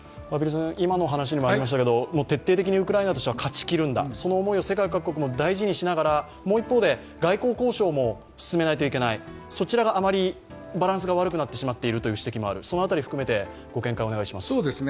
今の話にもありましたけど、徹底的にウクライナとしては勝ちきるんだ、その思いを世界各国も大事にしながら、もう一方で外交交渉も進めないといけないそちらがあまりバランスが悪くなってしまっているという指摘もあるその辺りを含めてご見解をお願いします。